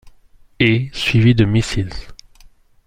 Et, suivi de Mrs.